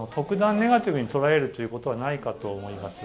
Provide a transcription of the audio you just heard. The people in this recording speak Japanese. ネガティブに捉えることは、ないかと思います。